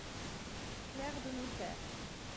clerc de notaire.